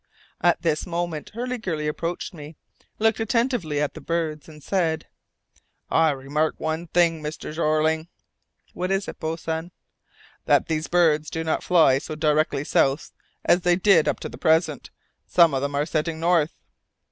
At this moment Hurliguerly approached me, looked attentively at the birds, and said, "I remark one thing, Mr. Jeorling." "What is it, boatswain?" "That these birds do not fly so directly south as they did up to the present. Some of them are setting north."